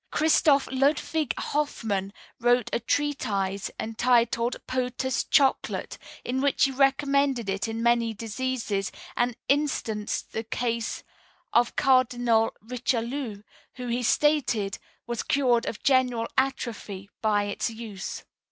Christoph Ludwig Hoffman wrote a treatise entitled, "Potus Chocolate," in which he recommended it in many diseases, and instanced the case of Cardinal Richelieu, who, he stated, was cured of general atrophy by its use.